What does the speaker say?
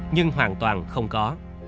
nhưng hoàn toàn không có